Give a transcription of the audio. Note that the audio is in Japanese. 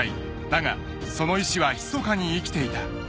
［だがその遺志はひそかに生きていた］